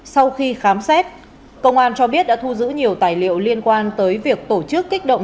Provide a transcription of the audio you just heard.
sau khi khám xét công an cho biết đã thu giữ nhiều tài liệu liên quan tới việc tổ chức kích động